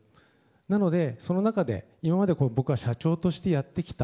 なのでその中で、今まで僕が社長としてやってきた